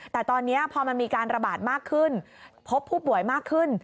แต่ตอนนี้พอมันมีการระบาดมากขึ้นพบผู้ป่วยมากขึ้น